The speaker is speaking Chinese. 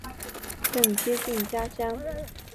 更接近家乡